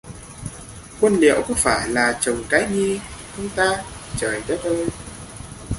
Quân liệu có phải là chồng cái Nhi không ta trời đất ơi